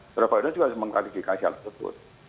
saudara saudara juga harus mengklarifikasi hal tersebut